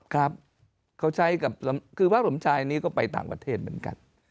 ครับเขาใช้กับคือพระสมชายนี้ก็ไปต่างประเทศเหมือนกัน